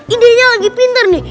ide nya lagi pinter nih